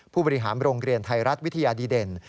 ผู้บริหารโรงเรียนไทยรัฐวิทยาดีเด่น